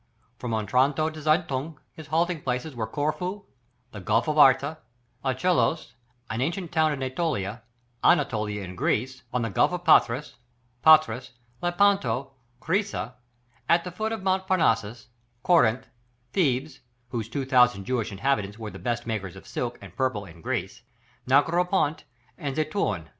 From Otranto to Zeitun, his halting places were Corfu, the Gulf of Arta, Achelous, an ancient town in Ætolia, Anatolia in Greece, on the Gulf of Patras, Patras, Lepanto, Crissa, at the foot of Mount Parnassus, Corinth, Thebes, whose two thousand Jewish inhabitants were the best makers of silk and purple in Greece, Negropont and Zeitoun.